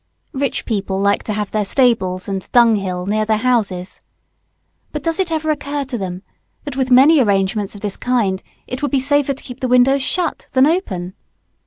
Rich people like to have their stables and dunghill near their houses. But does it ever occur to them that with many arrangements of this kind it would be safer to keep the windows shut than open?